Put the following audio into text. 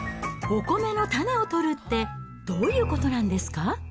お米の種を取るってどういうことなんですか？